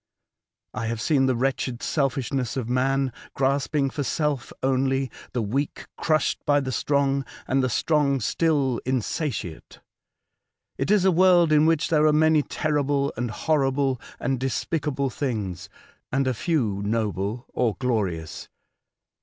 I have seen the wretched selfishness of men grasping for self only ; the weak crushed by the strong, and the strong still insatiate. It is a world in which there are many terrible, and horrible, and despicable things, and a few noble or glorious.